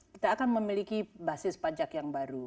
kita akan memiliki basis pajak yang baru